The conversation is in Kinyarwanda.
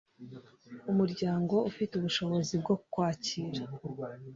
Umuryango ufite ubushobozi bwo kwakira